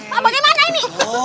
pak bagaimana ini